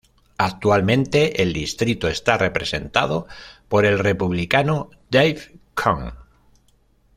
Actualmente el distrito está representado por el Republicano Dave Camp.